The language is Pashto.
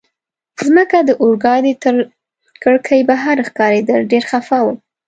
مځکه د اورګاډي تر کړکۍ بهر ښکارېدل، ډېر خفه وم.